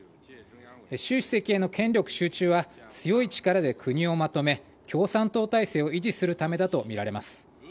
習主席への権力集中は強い力で国をまとめ共産党体制を維持するためだとみられます。